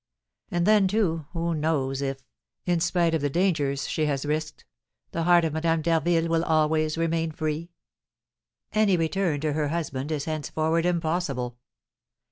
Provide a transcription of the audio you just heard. And then, too, who knows if, in spite of the dangers she has risked, the heart of Madame d'Harville will always remain free? Any return to her husband is henceforward impossible.